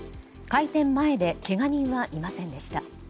開店前でけが人はいませんでした。